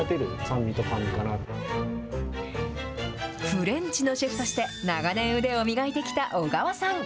フレンチのシェフとして、長年、腕を磨いてきた小川さん。